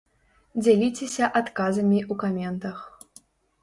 Дзяліцеся адказамі ў каментах!